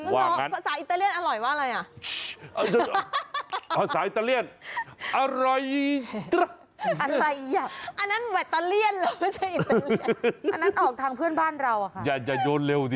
มันหรอกภาษาอิตาเลียนอร่อยว่าอะไร